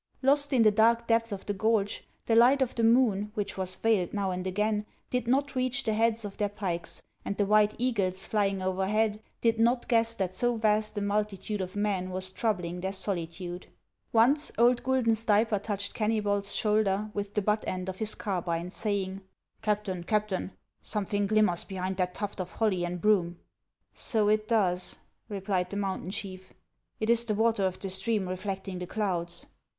Lost in the dark depths of the gorge, the light of the moon, which was veiled now and again, did not reach the heads of their pikes, and the white eagles Hying overhead did not guess that so vast a multitude of men was troubling their solitude. Once old Guidon Stayper touched Kennybol's shoul der writh the butt end of his carbine, saying, " Captain, Captain, something glimmers behind that tuft of holly and broom." " So it does," replied the mountain chief ;" it is the water of the stream reflecting the clouds."